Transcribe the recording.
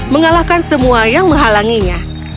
mengalahkan semua yang menghalanginya